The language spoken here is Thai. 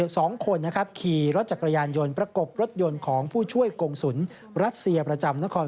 สองคนนะครับขี่รถจักรยานยนต์ประกบรถยนต์ของผู้ช่วยกงศุลรัสเซียประจำนคร